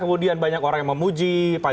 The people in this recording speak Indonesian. tentu ini akan berdampak sekali sekala